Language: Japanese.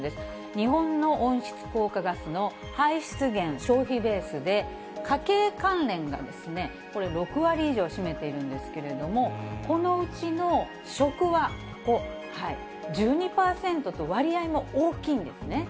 日本の温室効果ガスの排出、消費ベースで家計関連がですね、これ、６割以上占めているんですけれども、このうちの食はここ、１２％と割合も大きいんですね。